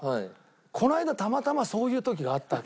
この間たまたまそういう時があったわけ。